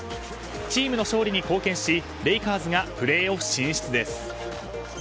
チームの勝利に貢献しレイカーズがプレーオフ進出です。